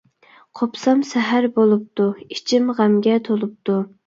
قوپسام سەھەر بولۇپتۇ، ئىچىم غەمگە تولۇپتۇ.